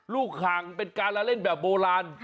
ขังเป็นการละเล่นแบบโบราณ